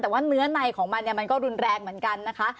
แต่ว่าเนื้อในของมันเนี่ยมันก็รุนแรงเหมือนกันนะคะ